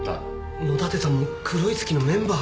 野立さんも黒い月のメンバー？